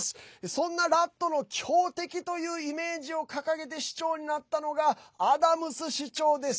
そんなラットの強敵というイメージを掲げて市長になったのがアダムズ市長です。